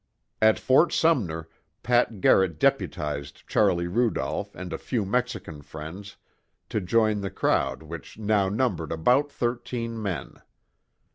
At Fort Sumner, Pat Garrett deputized Charlie Rudolph and a few Mexican friends, to join the crowd which now numbered about thirteen men.